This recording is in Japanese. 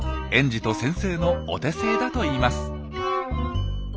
園児と先生のお手製だといいます。